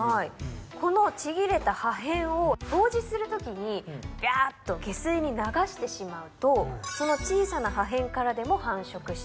このちぎれた破片を掃除するときにビャッと下水に流してしまうとその小さな破片からでも繁殖して。